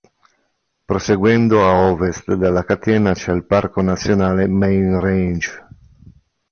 Proseguendo a ovest della catena c'è il Parco Nazionale "Main Range".